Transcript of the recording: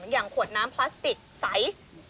อย่างขวดน้ำพลาสติกใส